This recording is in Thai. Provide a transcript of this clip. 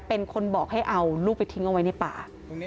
เป็นคนบอกให้เอาลูกไปทิ้งเอาไว้ในป่า